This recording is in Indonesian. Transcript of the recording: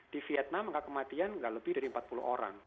di vietnam angka kematian nggak lebih dari empat puluh orang